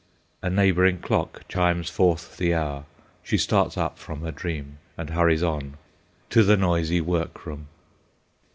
A neighbouring clock chimes forth the hour. She starts up from her dream and hurries on—to the noisy work room.